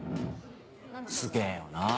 すげぇよな。